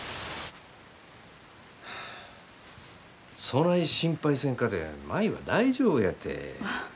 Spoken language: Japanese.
そない心配せんかて舞は大丈夫やて。